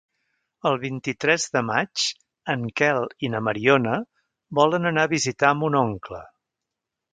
El vint-i-tres de maig en Quel i na Mariona volen anar a visitar mon oncle.